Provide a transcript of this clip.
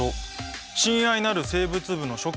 「親愛なる生物部の諸君